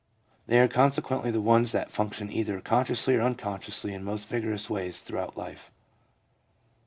They are consequently the ones that function either consciously or unconsciously in most vigorous ways throughout life.